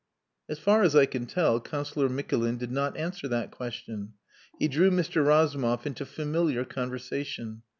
As far as I can tell, Councillor Mikulin did not answer that question. He drew Mr. Razumov into familiar conversation.